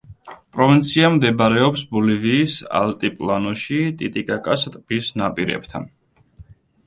პროვინცია მდებარეობს ბოლივიის ალტიპლანოში, ტიტიკაკას ტბის ნაპირებთან.